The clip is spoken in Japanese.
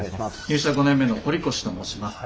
入社５年目の堀越と申します。